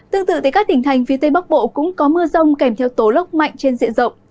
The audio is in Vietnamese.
tương tự các tỉnh thành phía tây bắc bộ cũng có mưa rông kèm theo tố lốc mạnh trên diện rộng